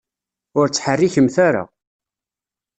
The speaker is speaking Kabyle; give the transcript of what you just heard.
Ur ttḥerrikemt ara.